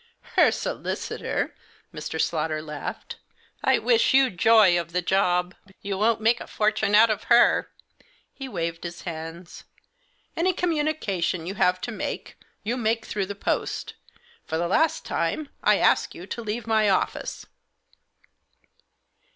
" Her solicitor !" Mr. Slaughter laughed. " I wish you joy of the job, you won't make a fortune out of her !" He waved his hands. " Any communication you have to make, you make through the post. For the last time I ask you to leave my office."